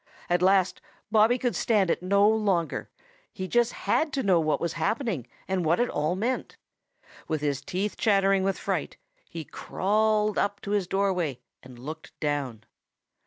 At last Bobby could stand it no longer. He just had to know what was happening, and what it all meant. With his teeth chattering with fright, he crawled up to his doorway and looked down.